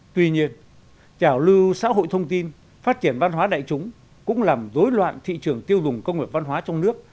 tuy nhiên trào lưu xã hội thông tin phát triển văn hóa đại chúng cũng làm dối loạn thị trường tiêu dùng công nghiệp văn hóa trong nước